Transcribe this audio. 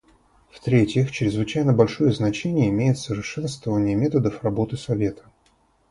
В-третьих, чрезвычайно большое значение имеет совершенствование методов работы Совета.